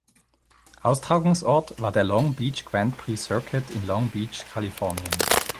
Austragungsort war der Long Beach Grand Prix Circuit in Long Beach, Kalifornien.